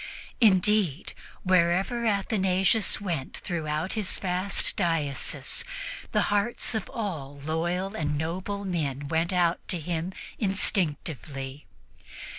Indeed, wherever Athanasius went throughout his vast diocese, the hearts of all loyal and noble men went out to him instinctively.